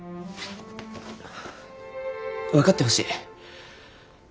分かってほしい。